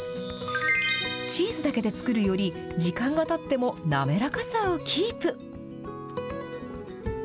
チーズだけで作るより、時間がたっても滑らかさをキープ。